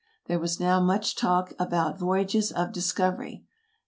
There was now much talk about voyages of discov ery.